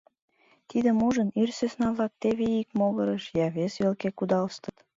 Тидым ужын, ир сӧсна-влак теве ик могырыш, я вес велке кудалыштыт.